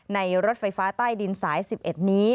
รถไฟฟ้าใต้ดินสาย๑๑นี้